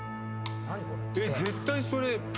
絶対それ。